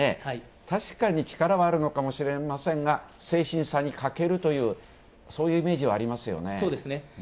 確かに力はあるのかもしれませんが先進さに欠けるというそういうイメージはありますよね。